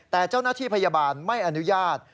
แต่เจ้าหน้าที่พยาบาลไม่อนุญาต